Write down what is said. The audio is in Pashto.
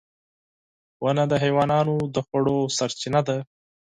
• ونه د حیواناتو د خوړو سرچینه ده.